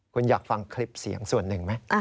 คุณอยากฟังคลิปเสียงส่วนหนึ่งไหม